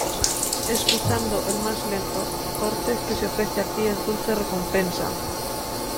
Escuchando el más lento cortes que se ofrecen aquí es dulce recompensa".